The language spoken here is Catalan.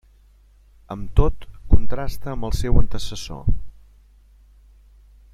Amb tot contrasta amb el seu antecessor.